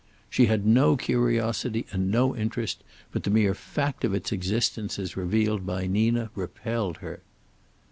She had no curiosity and no interest, but the mere fact of its existence as revealed by Nina repelled her.